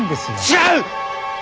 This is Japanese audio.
違う！